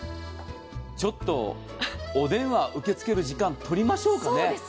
ちょっとお電話、受け付ける時間、とりましょうかね。